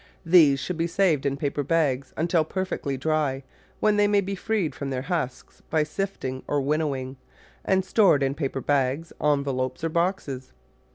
These should be saved in paper bags until perfectly dry, when they may be freed from their husks by sifting or winnowing, and stored in paper bags, envelopes, or boxes.